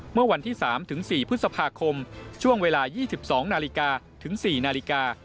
เมื่อวันที่๓๔พฤษภาคมช่วงเวลา๒๒นาฬิกาถึง๔นาฬิกา